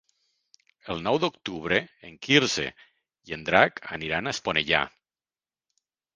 El nou d'octubre en Quirze i en Drac aniran a Esponellà.